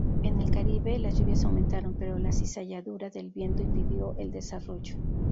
En el Caribe, las lluvias aumentaron, pero la cizalladura del viento impidió el desarrollo.